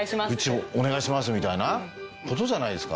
お願いしますみたいなことじゃないですか。